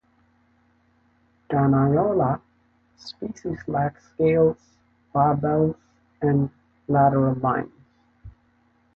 "Danionella" species lack scales, barbels, and lateral line.